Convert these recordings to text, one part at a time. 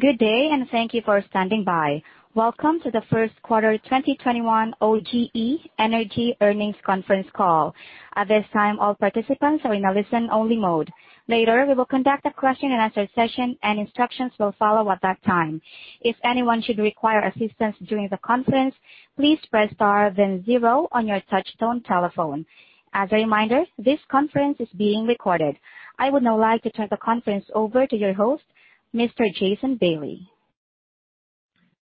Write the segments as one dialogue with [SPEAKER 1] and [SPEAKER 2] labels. [SPEAKER 1] Good day. Thank you for standing by. Welcome to the first quarter 2021 OGE Energy earnings conference call. At this time, all participants are in a listen-only mode. Later, we will conduct a question and answer session and instructions will follow at that time. If anyone should require assistance during the conference, please press star then zero on your touchtone telephone. As a reminder, this conference is being recorded. I would now like to turn the conference over to your host, Mr. Jason Bailey.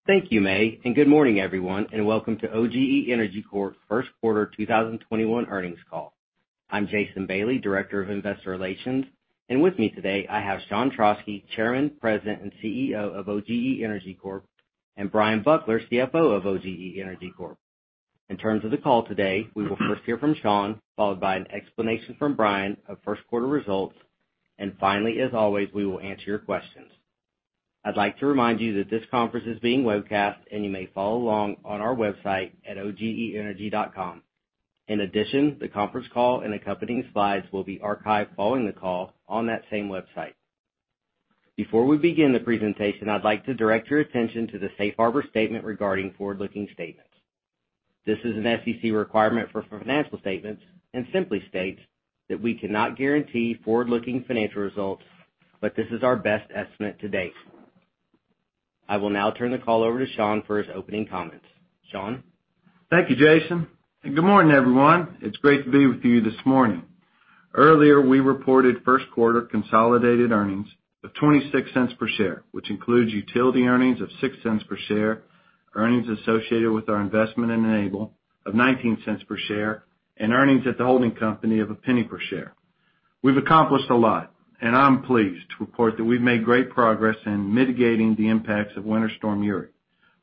[SPEAKER 2] Thank you, May, and good morning, everyone, and welcome to OGE Energy Corp first quarter 2021 earnings call. I'm Jason Bailey, Director of Investor Relations, and with me today, I have Sean Trauschke, Chairman, President, and CEO of OGE Energy Corp, and W. Bryan Buckler, CFO of OGE Energy Corp. In terms of the call today, we will first hear from Sean, followed by an explanation from Bryan of first quarter results, and finally, as always, we will answer your questions. I'd like to remind you that this conference is being webcast, and you may follow along on our website at ogeenergy.com. In addition, the conference call and accompanying slides will be archived following the call on that same website. Before we begin the presentation, I'd like to direct your attention to the safe harbor statement regarding forward-looking statements. This is an SEC requirement for financial statements and simply states that we cannot guarantee forward-looking financial results, but this is our best estimate to date. I will now turn the call over to Sean for his opening comments. Sean?
[SPEAKER 3] Thank you, Jason. Good morning, everyone. It's great to be with you this morning. Earlier, we reported first quarter consolidated earnings of $0.26 per share, which includes utility earnings of $0.06 per share, earnings associated with our investment in Enable of $0.19 per share, and earnings at the holding company of $0.01 per share. We've accomplished a lot, and I'm pleased to report that we've made great progress in mitigating the impacts of Winter Storm Uri.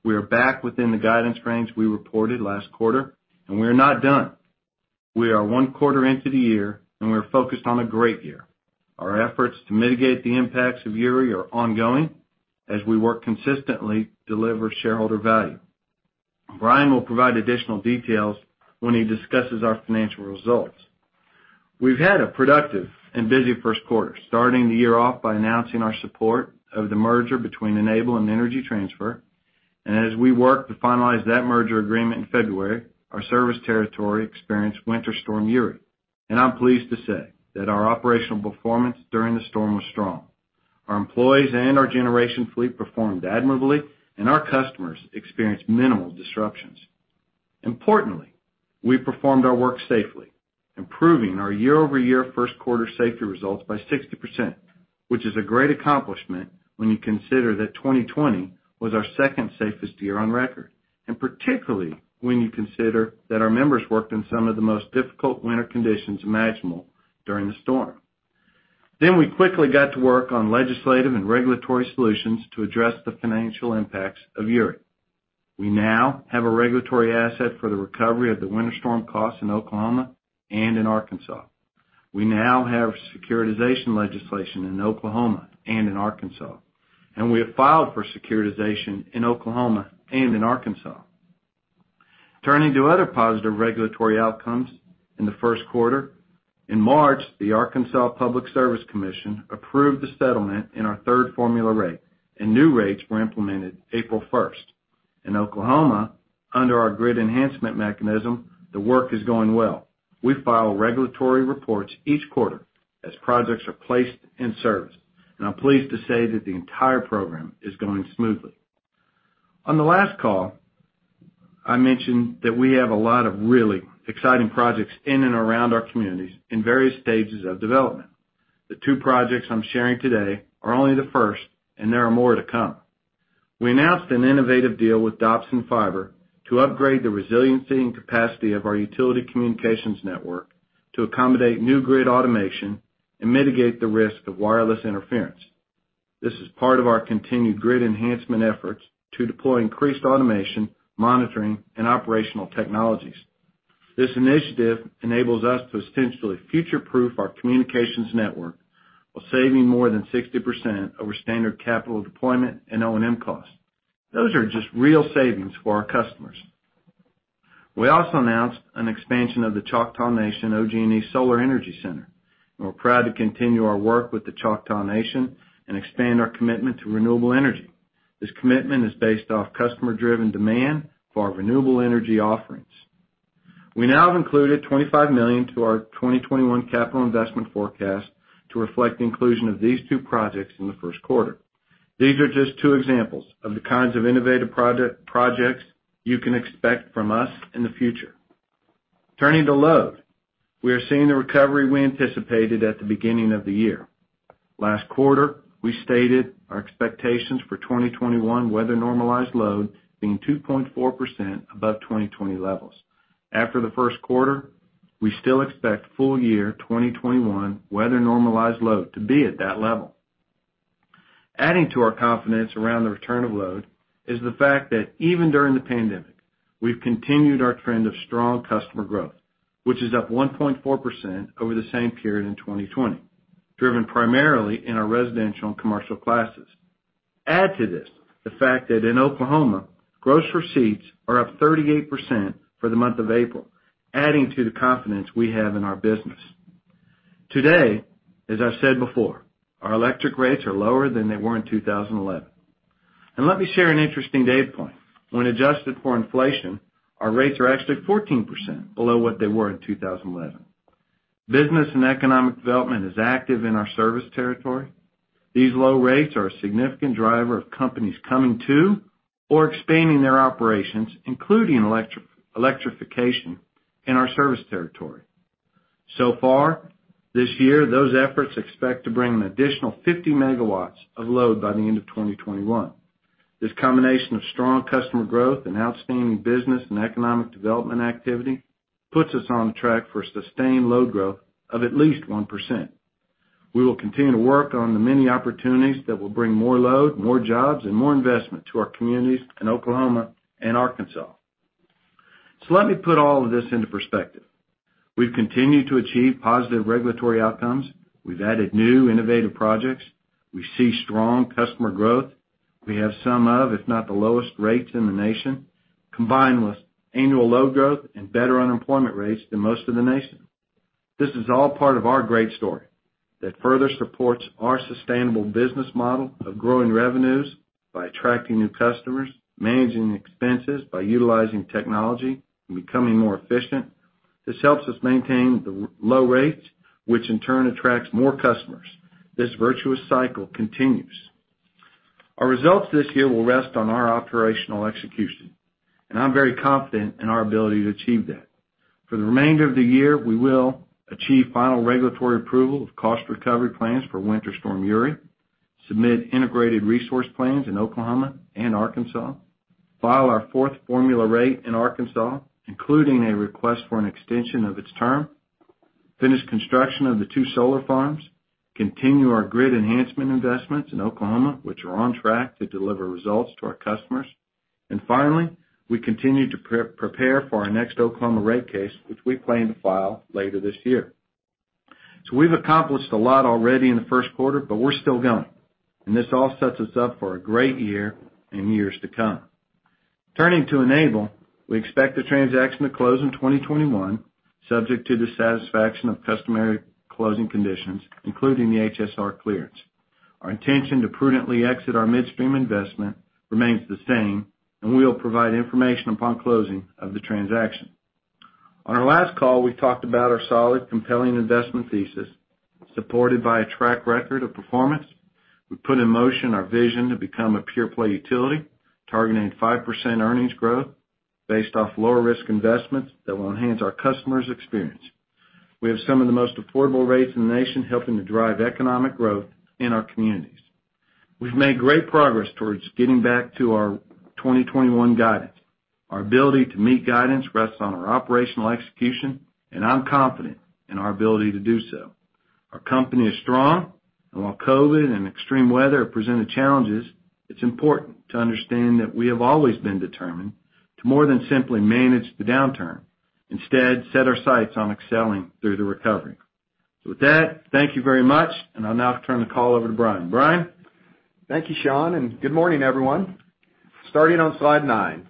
[SPEAKER 3] We are back within the guidance range we reported last quarter, and we are not done. We are one quarter into the year, and we are focused on a great year. Our efforts to mitigate the impacts of Uri are ongoing as we work consistently to deliver shareholder value. Brian will provide additional details when he discusses our financial results. We've had a productive and busy first quarter, starting the year off by announcing our support of the merger between Enable and Energy Transfer. As we worked to finalize that merger agreement in February, our service territory experienced Winter Storm Uri. I'm pleased to say that our operational performance during the storm was strong. Our employees and our generation fleet performed admirably, and our customers experienced minimal disruptions. Importantly, we performed our work safely, improving our year-over-year first quarter safety results by 60%, which is a great accomplishment when you consider that 2020 was our second safest year on record, and particularly when you consider that our members worked in some of the most difficult winter conditions imaginable during the storm. We quickly got to work on legislative and regulatory solutions to address the financial impacts of Uri. We now have a regulatory asset for the recovery of the winter storm costs in Oklahoma and in Arkansas. We now have securitization legislation in Oklahoma and in Arkansas, and we have filed for securitization in Oklahoma and in Arkansas. Turning to other positive regulatory outcomes in the first quarter, in March, the Arkansas Public Service Commission approved the settlement in our third formula rate, and new rates were implemented April 1st. In Oklahoma, under our grid enhancement mechanism, the work is going well. We file regulatory reports each quarter as projects are placed in service, and I'm pleased to say that the entire program is going smoothly. On the last call, I mentioned that we have a lot of really exciting projects in and around our communities in various stages of development. The two projects I'm sharing today are only the first, and there are more to come. We announced an innovative deal with Dobson Fiber to upgrade the resiliency and capacity of our utility communications network to accommodate new grid automation and mitigate the risk of wireless interference. This is part of our continued grid enhancement efforts to deploy increased automation, monitoring, and operational technologies. This initiative enables us to essentially future-proof our communications network while saving more than 60% over standard capital deployment and O&M costs. Those are just real savings for our customers. We also announced an expansion of the Choctaw Nation OG&E Solar Energy Center. We're proud to continue our work with the Choctaw Nation and expand our commitment to renewable energy. This commitment is based off customer-driven demand for our renewable energy offerings. We now have included $25 million to our 2021 capital investment forecast to reflect the inclusion of these two projects in the first quarter. These are just two examples of the kinds of innovative projects you can expect from us in the future. Turning to load, we are seeing the recovery we anticipated at the beginning of the year. Last quarter, we stated our expectations for 2021 weather normalized load being 2.4% above 2020 levels. After the first quarter, we still expect full year 2021 weather normalized load to be at that level. Adding to our confidence around the return of load is the fact that even during the pandemic, we've continued our trend of strong customer growth, which is up 1.4% over the same period in 2020, driven primarily in our residential and commercial classes. Add to this the fact that in Oklahoma, gross receipts are up 38% for the month of April, adding to the confidence we have in our business. Today, as I've said before, our electric rates are lower than they were in 2011. Let me share an interesting data point. When adjusted for inflation, our rates are actually 14% below what they were in 2011. Business and economic development is active in our service territory. These low rates are a significant driver of companies coming to, or expanding their operations, including electrification in our service territory. So far, this year, those efforts expect to bring an additional 50 MW of load by the end of 2021. This combination of strong customer growth and outstanding business and economic development activity puts us on track for sustained load growth of at least 1%. We will continue to work on the many opportunities that will bring more load, more jobs, and more investment to our communities in Oklahoma and Arkansas. Let me put all of this into perspective. We've continued to achieve positive regulatory outcomes, we've added new innovative projects, we see strong customer growth, we have some of, if not the lowest rates in the nation, combined with annual low growth and better unemployment rates than most of the nation. This is all part of our great story that further supports our sustainable business model of growing revenues by attracting new customers, managing expenses by utilizing technology and becoming more efficient. This helps us maintain the low rates, which in turn attracts more customers. This virtuous cycle continues. Our results this year will rest on our operational execution, and I'm very confident in our ability to achieve that. For the remainder of the year, we will achieve final regulatory approval of cost recovery plans for Winter Storm Uri, submit integrated resource plans in Oklahoma and Arkansas, file our fourth formula rate in Arkansas, including a request for an extension of its term, finish construction of the two solar farms, continue our grid enhancement investments in Oklahoma, which are on track to deliver results to our customers. Finally, we continue to prepare for our next Oklahoma rate case, which we plan to file later this year. We've accomplished a lot already in the first quarter, but we're still going. This all sets us up for a great year in years to come. Turning to Enable, we expect the transaction to close in 2021, subject to the satisfaction of customary closing conditions, including the HSR clearance. Our intention to prudently exit our midstream investment remains the same. We'll provide information upon closing of the transaction. On our last call, we talked about our solid, compelling investment thesis, supported by a track record of performance. We put in motion our vision to become a pure-play utility, targeting 5% earnings growth based off lower-risk investments that will enhance our customers' experience. We have some of the most affordable rates in the nation, helping to drive economic growth in our communities. We've made great progress towards getting back to our 2021 guidance. Our ability to meet guidance rests on our operational execution. I'm confident in our ability to do so. Our company is strong. While COVID and extreme weather have presented challenges, it's important to understand that we have always been determined to more than simply manage the downturn. Instead, set our sights on excelling through the recovery. With that, thank you very much, and I'll now turn the call over to Bryan. Bryan?
[SPEAKER 4] Thank you, Sean, and good morning, everyone. Starting on slide nine,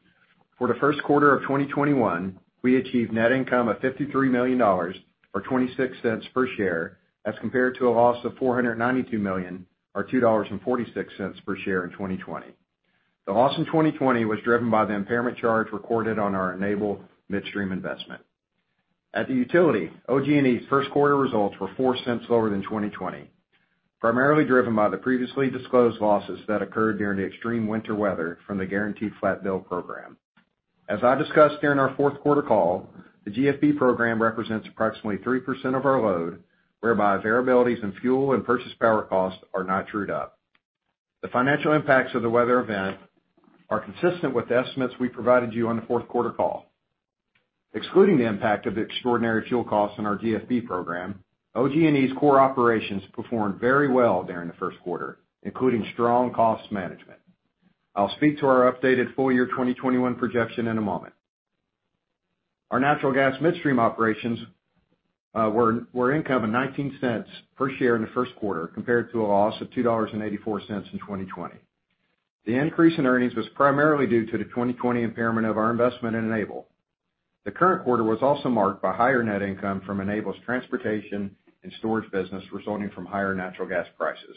[SPEAKER 4] for the first quarter of 2021, we achieved net income of $53 million, or $0.26 per share, as compared to a loss of $492 million, or $2.46 per share in 2020. The loss in 2020 was driven by the impairment charge recorded on our Enable Midstream investment. At the utility, OG&E's first quarter results were $0.04 lower than 2020, primarily driven by the previously disclosed losses that occurred during the extreme winter weather from the Guaranteed Flat Bill program. As I discussed during our fourth quarter call, the GFB program represents approximately 3% of our load, whereby variabilities in fuel and purchase power costs are not trued up. The financial impacts of the weather event are consistent with the estimates we provided you on the fourth quarter call. Excluding the impact of the extraordinary fuel costs on our GFB program, OG&E's core operations performed very well during the first quarter, including strong cost management. I'll speak to our updated full-year 2021 projection in a moment. Our natural gas midstream operations were income of $0.19 per share in the first quarter, compared to a loss of $2.84 in 2020. The increase in earnings was primarily due to the 2020 impairment of our investment in Enable. The current quarter was also marked by higher net income from Enable's transportation and storage business resulting from higher natural gas prices.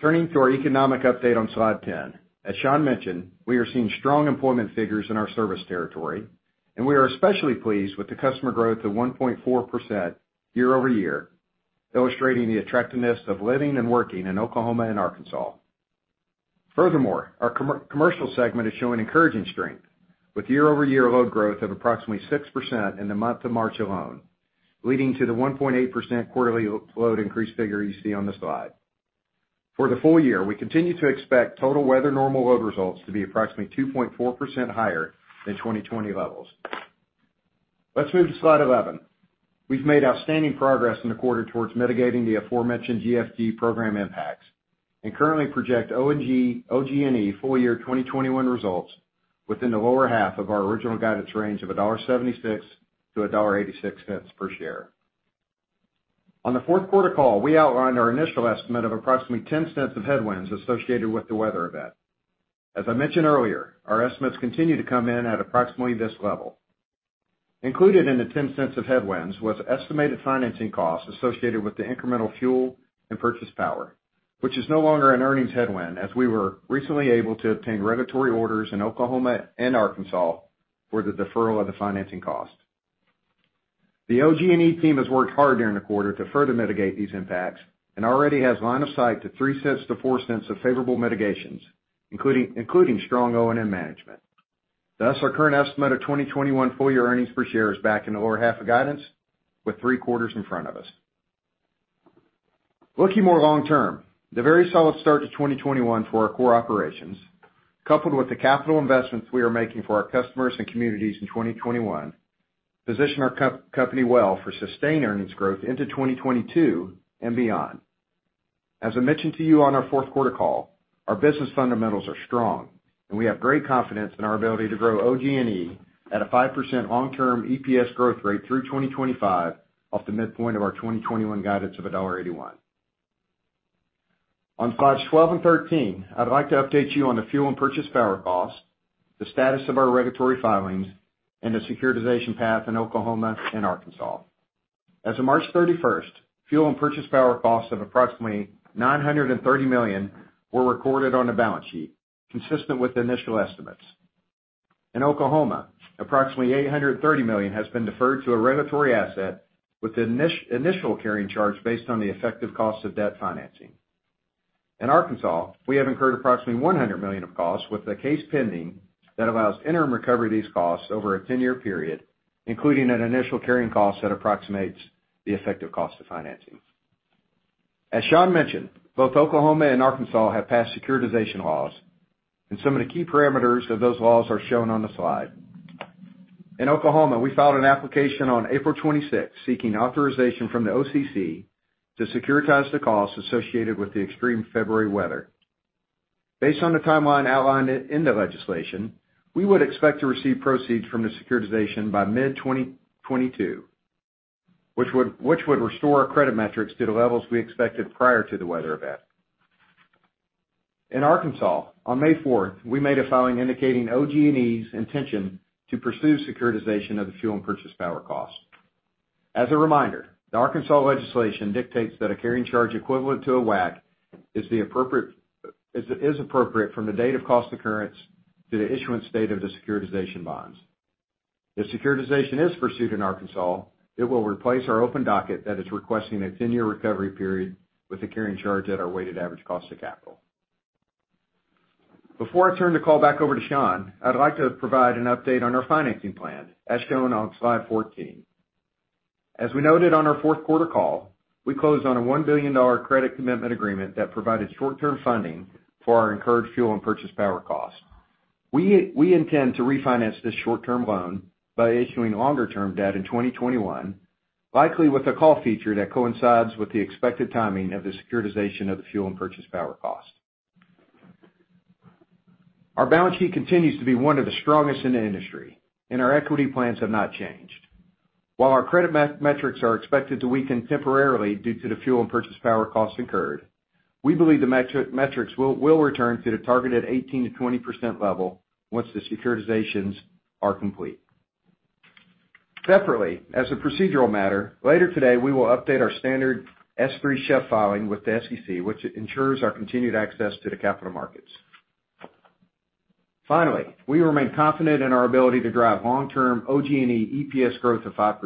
[SPEAKER 4] Turning to our economic update on slide 10. As Sean mentioned, we are seeing strong employment figures in our service territory, and we are especially pleased with the customer growth of 1.4% year-over-year, illustrating the attractiveness of living and working in Oklahoma and Arkansas. Our commercial segment is showing encouraging strength, with year-over-year load growth of approximately 6% in the month of March alone, leading to the 1.8% quarterly load increase figure you see on the slide. For the full year, we continue to expect total weather normal load results to be approximately 2.4% higher than 2020 levels. Let's move to slide 11. We've made outstanding progress in the quarter towards mitigating the aforementioned GFB program impacts and currently project OG&E full-year 2021 results within the lower half of our original guidance range of $1.76-$1.86 per share. On the fourth quarter call, we outlined our initial estimate of approximately $0.10 of headwinds associated with the weather event. As I mentioned earlier, our estimates continue to come in at approximately this level. Included in the $0.10 of headwinds was estimated financing costs associated with the incremental fuel and purchase power, which is no longer an earnings headwind as we were recently able to obtain regulatory orders in Oklahoma and Arkansas for the deferral of the financing cost. The OG&E team has worked hard during the quarter to further mitigate these impacts and already has line of sight to $0.03-$0.04 of favorable mitigations, including strong O&M management. Thus, our current estimate of 2021 full year earnings per share is back in the lower half of guidance, with three quarters in front of us. Looking more long-term, the very solid start to 2021 for our core operations, coupled with the capital investments we are making for our customers and communities in 2021, position our company well for sustained earnings growth into 2022 and beyond. As I mentioned to you on our fourth quarter call, our business fundamentals are strong, and we have great confidence in our ability to grow OG&E at a 5% long-term EPS growth rate through 2025, off the midpoint of our 2021 guidance of $1.81. On Slides 12 and 13, I'd like to update you on the fuel and purchase power cost, the status of our regulatory filings, and the securitization path in Oklahoma and Arkansas. As of March 31st, fuel and purchase power costs of approximately $930 million were recorded on the balance sheet, consistent with initial estimates. In Oklahoma, approximately $830 million has been deferred to a regulatory asset with the initial carrying charge based on the effective cost of debt financing. In Arkansas, we have incurred approximately $100 million of costs with a case pending that allows interim recovery of these costs over a 10-year period, including an initial carrying cost that approximates the effective cost of financing. As Sean mentioned, both Oklahoma and Arkansas have passed securitization laws, some of the key parameters of those laws are shown on the slide. In Oklahoma, we filed an application on April 26th, seeking authorization from the OCC to securitize the costs associated with the extreme February weather. Based on the timeline outlined in the legislation, we would expect to receive proceeds from the securitization by mid-2022, which would restore our credit metrics to the levels we expected prior to the weather event. In Arkansas, on May 4th, we made a filing indicating OG&E's intention to pursue securitization of the fuel and purchase power cost. As a reminder, the Arkansas legislation dictates that a carrying charge equivalent to a WACC is appropriate from the date of cost occurrence to the issuance date of the securitization bonds. If securitization is pursued in Arkansas, it will replace our open docket that is requesting a 10-year recovery period with a carrying charge at our weighted average cost of capital. Before I turn the call back over to Sean, I'd like to provide an update on our financing plan, as shown on slide 14. As we noted on our fourth quarter call, we closed on a $1 billion credit commitment agreement that provided short-term funding for our incurred fuel and purchase power cost. We intend to refinance this short-term loan by issuing longer-term debt in 2021, likely with a call feature that coincides with the expected timing of the securitization of the fuel and purchase power cost. Our balance sheet continues to be one of the strongest in the industry, and our equity plans have not changed. While our credit metrics are expected to weaken temporarily due to the fuel and purchase power costs incurred, we believe the metrics will return to the targeted 18%-20% level once the securitizations are complete. Separately, as a procedural matter, later today, we will update our standard S-3 shelf filing with the SEC, which ensures our continued access to the capital markets. Finally, we remain confident in our ability to drive long-term OG&E EPS growth of 5%,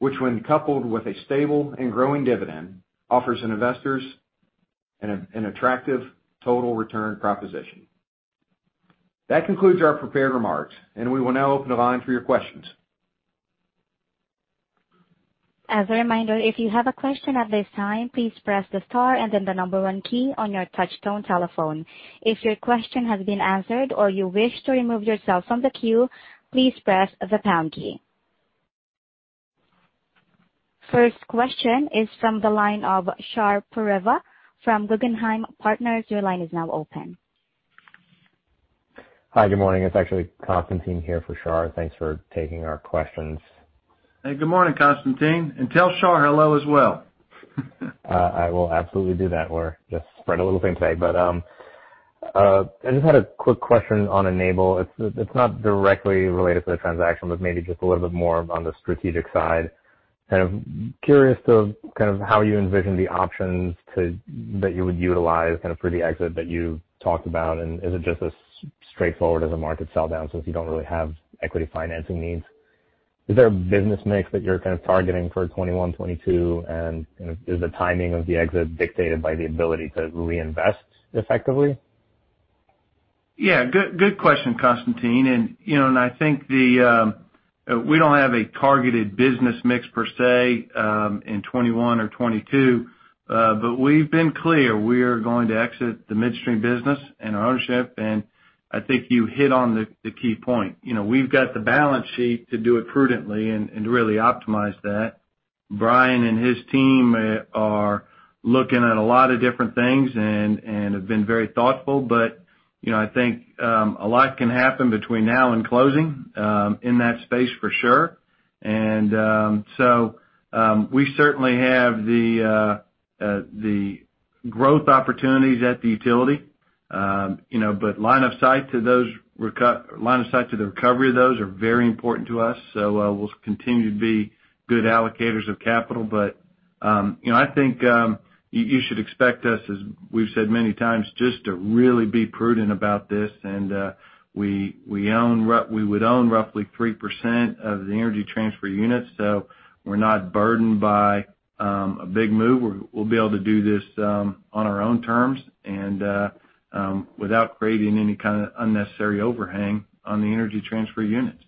[SPEAKER 4] which when coupled with a stable and growing dividend, offers investors an attractive total return proposition. That concludes our prepared remarks, and we will now open the line for your questions.
[SPEAKER 1] As a reminder if you have a question at this time please the star and then the number one key on your touchtone telephone. If your question has been answered or you wish to remove yourself from the queue please press the pound key. First question is from the line of Shar Pourreza from Guggenheim Partners.
[SPEAKER 5] Hi, good morning. It's actually Constantine here for Shar. Thanks for taking our questions.
[SPEAKER 4] Hey, good morning, Constantine, and tell Shar hello as well.
[SPEAKER 5] I will absolutely do that. We're just spread a little thin today. I just had a quick question on Enable. It's not directly related to the transaction, maybe just a little bit more on the strategic side. Kind of curious to kind of how you envision the options that you would utilize kind of for the exit that you talked about, is it just as straightforward as a market sell-down since you don't really have equity financing needs? Is there a business mix that you're kind of targeting for 2021, 2022, is the timing of the exit dictated by the ability to reinvest effectively?
[SPEAKER 3] Good question, Constantine. I think we don't have a targeted business mix per se, in 2021 or 2022. We've been clear we are going to exit the midstream business and our ownership. I think you hit on the key point. We've got the balance sheet to do it prudently and to really optimize that. Bryan and his team are looking at a lot of different things and have been very thoughtful. I think a lot can happen between now and closing, in that space for sure. We certainly have the growth opportunities at the utility. Line of sight to the recovery of those are very important to us. We'll continue to be good allocators of capital. I think you should expect us, as we've said many times, just to really be prudent about this. We would own roughly 3% of the Energy Transfer units. We're not burdened by a big move. We'll be able to do this on our own terms and without creating any kind of unnecessary overhang on the Energy Transfer units.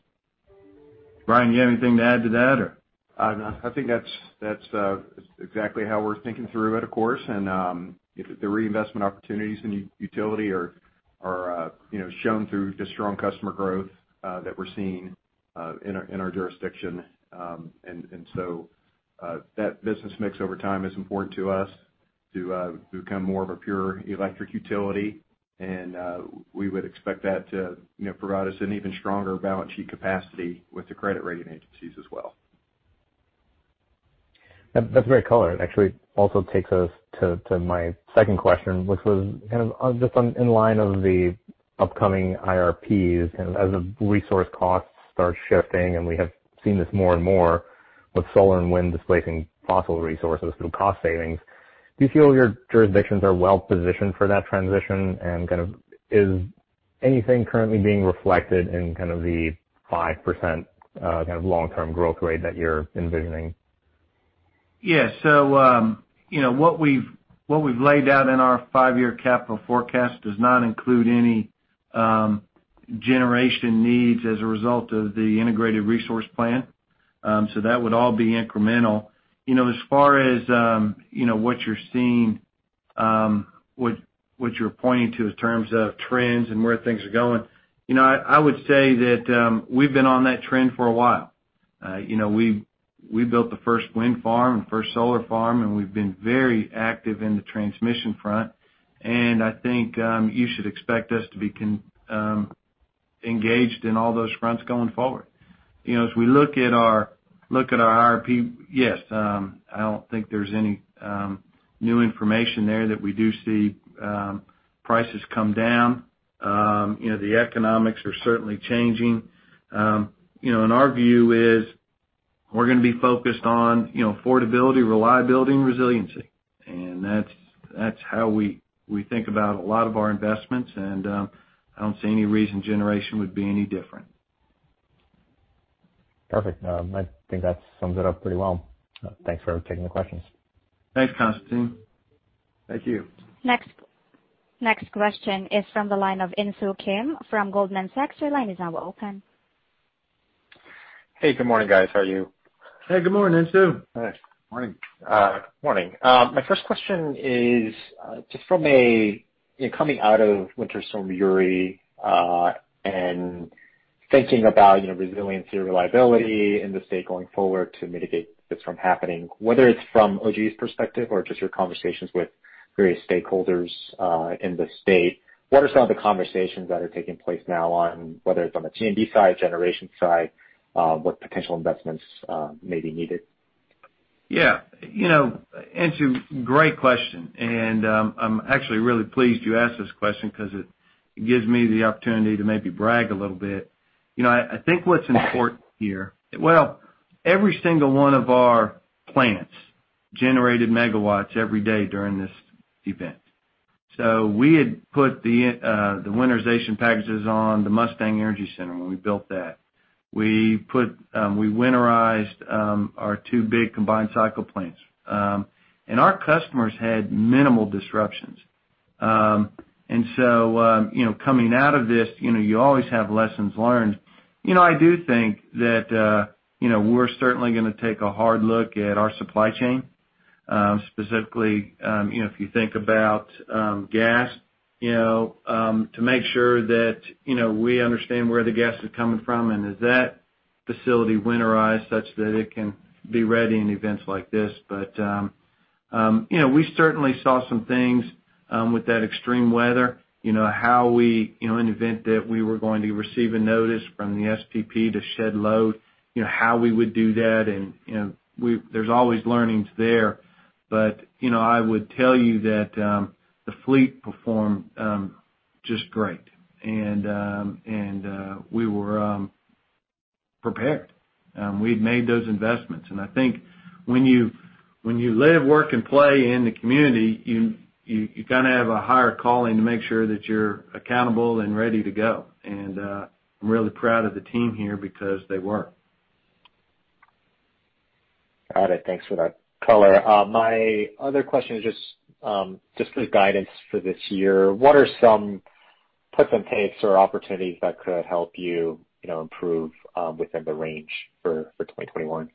[SPEAKER 3] Bryan, you have anything to add to that or?
[SPEAKER 4] I think that's exactly how we're thinking through it, of course. The reinvestment opportunities in utility are shown through the strong customer growth that we're seeing in our jurisdiction. That business mix over time is important to us to become more of a pure electric utility. We would expect that to provide us an even stronger balance sheet capacity with the credit rating agencies as well.
[SPEAKER 5] That's a great color. It actually also takes us to my second question, which was kind of just in line of the upcoming IRPs. As the resource costs start shifting, and we have seen this more and more with solar and wind displacing fossil resources through cost savings, do you feel your jurisdictions are well-positioned for that transition? Is anything currently being reflected in the 5% kind of long-term growth rate that you're envisioning?
[SPEAKER 3] Yeah. What we've laid out in our five-year capital forecast does not include any generation needs as a result of the integrated resource plan. That would all be incremental. As far as what you're seeing, what you're pointing to in terms of trends and where things are going, I would say that we've been on that trend for a while. We built the first wind farm and first solar farm, and we've been very active in the transmission front. I think you should expect us to be engaged in all those fronts going forward. As we look at our IRP, yes, I don't think there's any new information there that we do see prices come down. The economics are certainly changing. Our view is we're going to be focused on affordability, reliability, and resiliency. That's how we think about a lot of our investments, and I don't see any reason generation would be any different.
[SPEAKER 5] Perfect. I think that sums it up pretty well. Thanks for taking the questions.
[SPEAKER 4] Thanks, Constantine.
[SPEAKER 3] Thank you.
[SPEAKER 1] Next question is from the line of Insoo Kim from Goldman Sachs. Your line is now open.
[SPEAKER 6] Hey, good morning, guys. How are you?
[SPEAKER 3] Hey, good morning, Insoo.
[SPEAKER 4] Hi. Morning.
[SPEAKER 6] Morning. My first question is just coming out of Winter Storm Uri and thinking about resiliency and reliability in the state going forward to mitigate this from happening, whether it's from OGE's perspective or just your conversations with various stakeholders in the state, what are some of the conversations that are taking place now on whether it's on the T&D side, generation side, what potential investments may be needed?
[SPEAKER 3] Yeah. Insoo, great question. I'm actually really pleased you asked this question because it gives me the opportunity to maybe brag a little bit. I think what's important here. Well, every single one of our plants generated megawatts every day during this event. We had put the winterization packages on the Mustang Energy Center when we built that. We winterized our two big combined cycle plants. Our customers had minimal disruptions. Coming out of this, you always have lessons learned. I do think that we're certainly going to take a hard look at our supply chain. Specifically, if you think about gas, to make sure that we understand where the gas is coming from, and is that facility winterized such that it can be ready in events like this. We certainly saw some things with that extreme weather. In an event that we were going to receive a notice from the SPP to shed load, how we would do that, and there's always learnings there. I would tell you that the fleet performed just great. We were prepared. We'd made those investments. I think when you live, work, and play in the community, you kind of have a higher calling to make sure that you're accountable and ready to go. I'm really proud of the team here because they were.
[SPEAKER 6] Got it. Thanks for that color. My other question is just for guidance for this year. What are some puts and takes or opportunities that could help you improve within the range for 2021?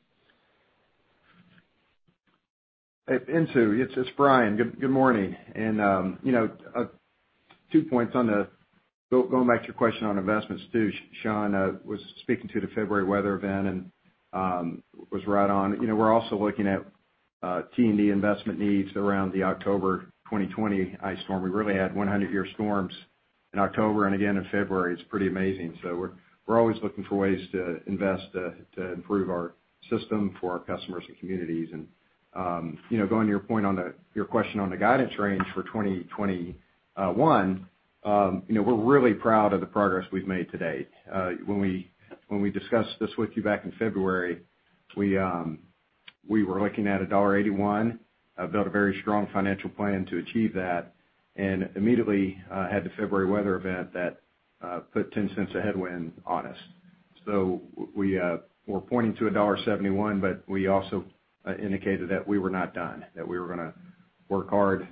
[SPEAKER 4] Hey, Insoo, it's Bryan. Good morning. Two points on going back to your question on investments too, Sean was speaking to the February weather event and was right on. We're also looking at T&D investment needs around the October 2020 ice storm. We really had 100-year storms in October and again in February. It's pretty amazing. We're always looking for ways to invest to improve our system for our customers and communities. Going to your question on the guidance range for 2021, we're really proud of the progress we've made to date. When we discussed this with you back in February, we were looking at $1.81, built a very strong financial plan to achieve that, and immediately had the February weather event that put $0.10 of headwind on us. We're pointing to $1.71, but we also indicated that we were not done, that we were going to work hard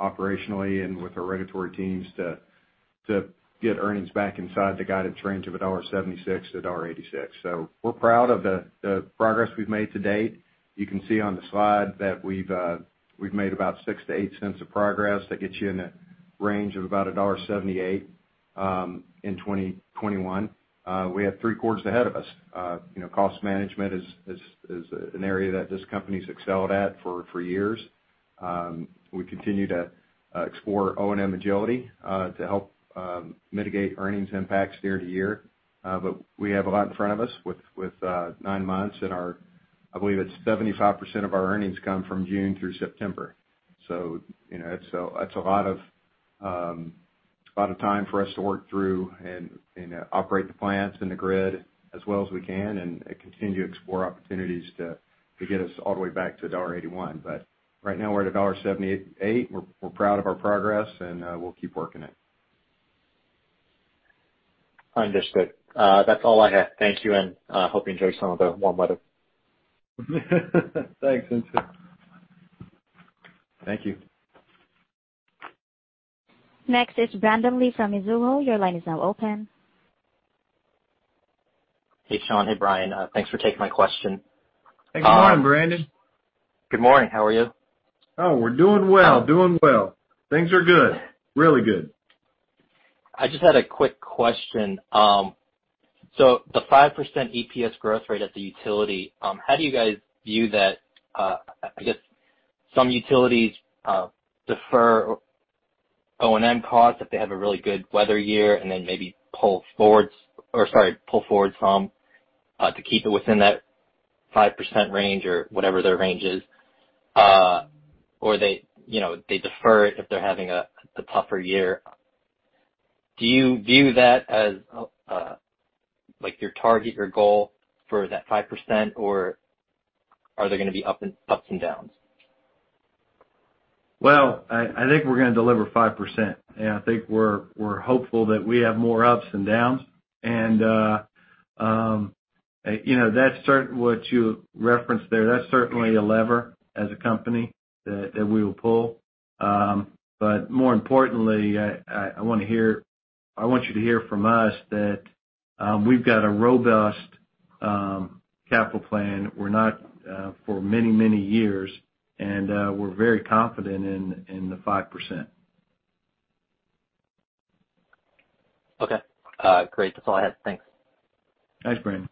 [SPEAKER 4] operationally and with our regulatory teams to get earnings back inside the guided range of $1.76-$1.86. We're proud of the progress we've made to date. You can see on the slide that we've made about $0.06-$0.08 of progress. That gets you in the range of about $1.78 in 2021. We have three quarters ahead of us. Cost management is an area that this company's excelled at for years. We continue to explore O&M agility to help mitigate earnings impacts year to year. We have a lot in front of us with nine months in our, I believe it's 75% of our earnings come from June through September. That's a lot of time for us to work through and operate the plants and the grid as well as we can and continue to explore opportunities to get us all the way back to $1.81. Right now we're at $1.78. We're proud of our progress, and we'll keep working it.
[SPEAKER 6] Understood. That's all I have. Thank you, and hope you enjoy some of the warm weather.
[SPEAKER 4] Thanks. You too. Thank you.
[SPEAKER 1] Next is Brandon Lee from Mizuho. Your line is now open.
[SPEAKER 7] Hey, Sean. Hey, Bryan. Thanks for taking my question.
[SPEAKER 4] Hey, good morning, Brandon.
[SPEAKER 7] Good morning. How are you?
[SPEAKER 4] Oh, we're doing well. Things are good. Really good.
[SPEAKER 7] I just had a quick question. The 5% EPS growth rate at the utility, how do you guys view that? Because some utilities defer O&M costs if they have a really good weather year and then maybe pull forward some to keep it within that 5% range or whatever their range is, or they defer it if they're having a tougher year. Do you view that as your target or goal for that 5%, or are there going to be ups and downs?
[SPEAKER 4] Well, I think we're going to deliver 5%. I think we're hopeful that we have more ups than downs. What you referenced there, that's certainly a lever as a company that we will pull. More importantly, I want you to hear from us that we've got a robust capital plan. We're not for many years. We're very confident in the 5%.
[SPEAKER 7] Okay. Great. That's all I had. Thanks.
[SPEAKER 4] Thanks, Brandon.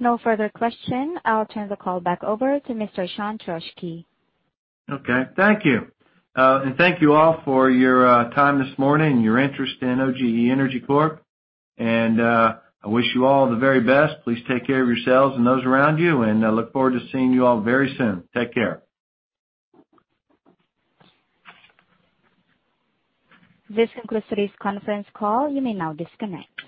[SPEAKER 1] No further question. I'll turn the call back over to Mr. Sean Trauschke.
[SPEAKER 3] Okay. Thank you. Thank you all for your time this morning and your interest in OGE Energy Corp. I wish you all the very best. Please take care of yourselves and those around you, and I look forward to seeing you all very soon. Take care.
[SPEAKER 1] This concludes today's conference call. You may now disconnect.